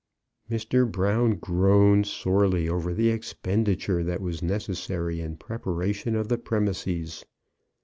Mr. Brown groaned sorely over the expenditure that was necessary in preparation of the premises.